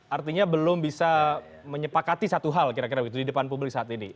artinya belum bisa menyepakati satu hal kira kira begitu di depan publik saat ini